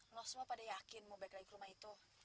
allah semua pada yakin mau baik lagi ke rumah itu